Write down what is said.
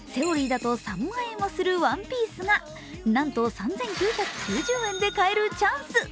Ｔｈｅｏｒｙだと３万円はするワンピースがなんと３９９０円で買えるチャンス。